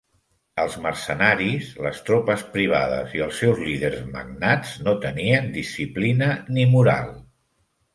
Els mercenaris, les tropes privades i els seus líders magnats no tenien disciplina ni moral.